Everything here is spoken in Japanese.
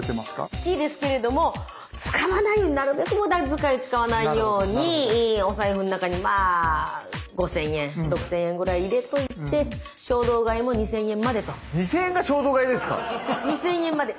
好きですけれども使わないようになるべく無駄遣い使わないようにお財布の中にまあ５，０００円６，０００円ぐらい入れといて２，０００円が衝動買いですか⁉２，０００円まで。